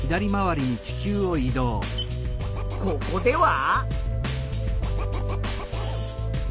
ここでは？